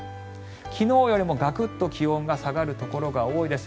昨日よりもガクッと気温が下がるところが多いです。